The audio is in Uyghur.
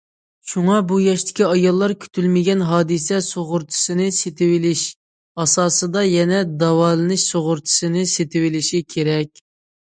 شۇڭا بۇ ياشتىكى ئاياللار كۈتۈلمىگەن ھادىسە سۇغۇرتىسىنى سېتىۋېلىش ئاساسىدا يەنە داۋالىنىش سۇغۇرتىسىنى سېتىۋېلىشى كېرەك.